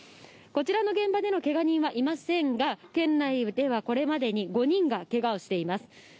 こちらの現場でのけが人はいませんが、県内ではこれまでに５人がけがをしています。